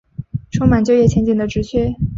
充满就业前景的职缺